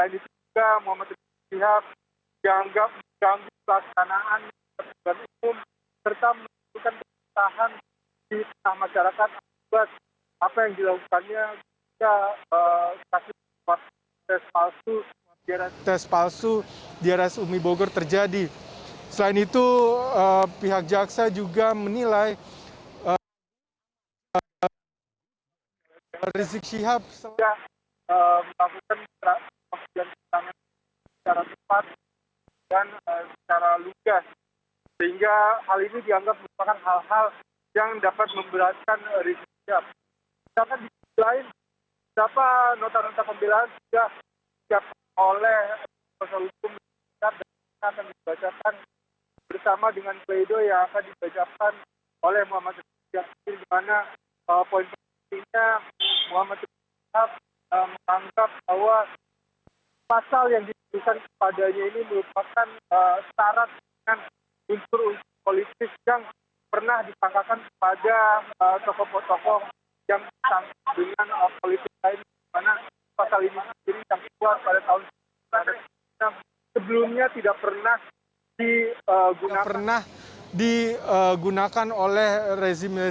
dimana beberapa hal terdakwa para jaksa menilai bahwa rizik syihab tidak memiliki upaya penjara dalam upaya penjaraan pandemi covid sembilan belas di indonesia